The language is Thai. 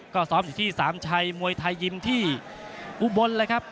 ก็ซ้อมอยู่ที่สามชัยมวยไทยยิมที่อุบลเลยครับ